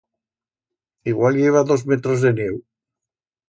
Igual i heba dos metros de nieu.